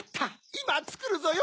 いまつくるぞよ。